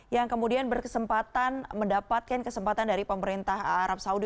yang kemudian berkesempatan mendapatkan kesempatan dari pemerintah arab saudi